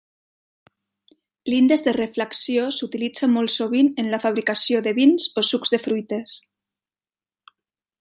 L'índex de refracció s'utilitza molt sovint en la fabricació de vins o sucs de fruites.